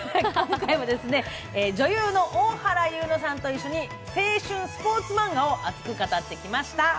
女優の大原優乃さんと一緒に青春スポーツマンガを熱く語ってきました。